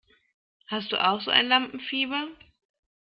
Hast du auch so ein Lampenfieber?